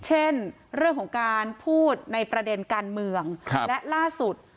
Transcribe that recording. เช่นเรื่องของการพูดในประเด็นการเมืองและล่าสุด